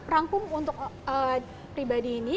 rangkum untuk pribadi ini